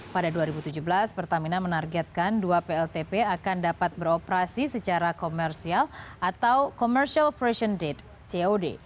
pada dua ribu tujuh belas pertamina menargetkan dua pltp akan dapat beroperasi secara komersial atau commercial operation date cod